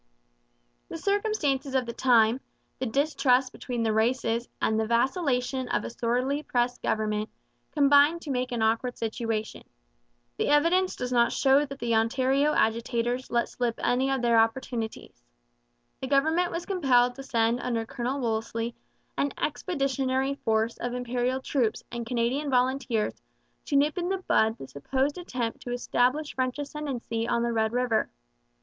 The circumstances of the time, the distrust between the races and the vacillation of a sorely pressed government, combined to make an awkward situation. The evidence does not show that the Ontario agitators let slip any of their opportunities. The government was compelled to send under Colonel Wolseley an expeditionary force of Imperial troops and Canadian volunteers to nip in the bud the supposed attempt to establish French ascendancy on the Red River.